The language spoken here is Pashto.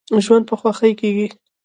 ژوند په خوښۍ کیږي.